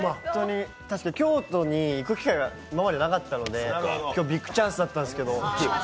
京都に行く機会が今までなかったので今日ビッグチャンスだったんですけど。